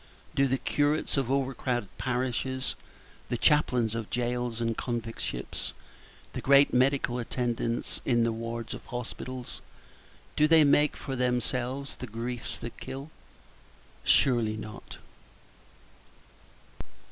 Do the curates of over crowded parishes, the chaplains of jails and convict ships, the great medical attendants in the wards of hospitals do they make for themselves the griefs that kill? Surely not.